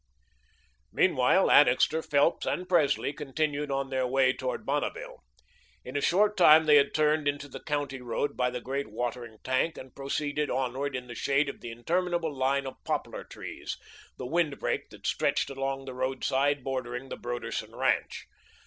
Meanwhile, Annixter, Phelps, and Presley continued on their way toward Bonneville. In a short time they had turned into the County Road by the great watering tank, and proceeded onward in the shade of the interminable line of poplar trees, the wind break that stretched along the roadside bordering the Broderson ranch.